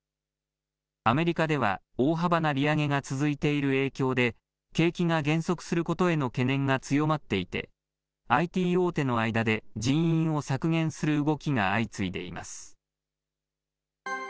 アメリカでは、大幅な利上げが続いている影響で、景気が減速することへの懸念が強まっていて、ＩＴ大手の間で人員を削減する動きが相次いでいます。